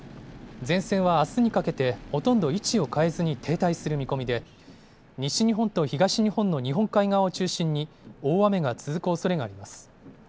前線はあすにかけてほとんど位置を変えずに停滞する見込みで、西日本と東日本の日本海側を中心に、大雨が続くおそれがあります。